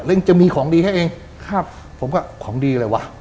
แล้วเอ็งจะมีของดีให้เอ็งผมก็ของดีอะไรวะ